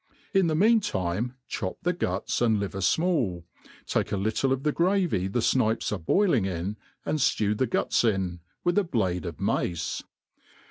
In the mean time, chop the guts and liver fmall, take a little of the gravy the fnipes are boiling in, and fteW the guts in, with a blade of mace.